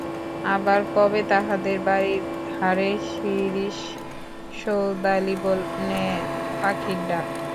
আবার কবে তাহদের বাড়ির ধারের শিরীষ সৌদালি বনে পাখির ডাক?